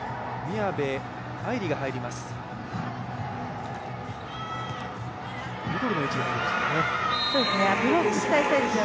宮部藍梨が入ります。